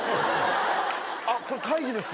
あっこれ会議です。